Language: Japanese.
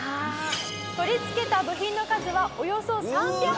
取り付けた部品の数はおよそ３００個なのですが。